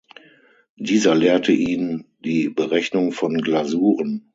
Dieser lehrte ihn die Berechnung von Glasuren.